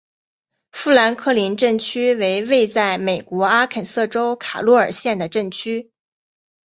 富兰克林镇区为位在美国阿肯色州卡洛尔县的镇区。